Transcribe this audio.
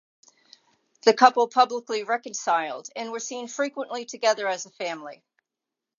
The couple publicly reconciled and were seen frequently together as a family.